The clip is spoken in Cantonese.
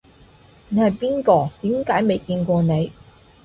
你係邊個？點解未見過你